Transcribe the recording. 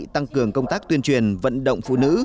tăng cường công tác tuyên truyền vận động phụ nữ